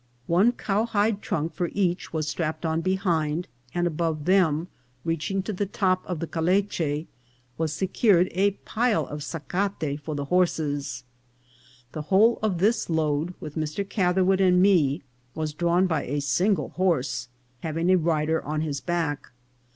One cowhide trunk for each was strapped on behind, and above them, reaching to the top of the calfiche, was secured a pile of sacate for the horses. The whole of this load, with Mr. Catherwood and me, was drawn by a single horse, having a rider on his back.